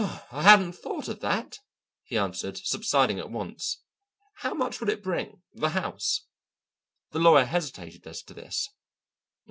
"I hadn't thought of that," he answered, subsiding at once. "How much would it bring the house?" The lawyer hesitated as to this.